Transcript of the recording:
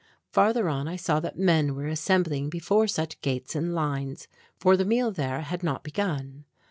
Farther on I saw that men were assembling before such gates in lines, for the meal there had not begun.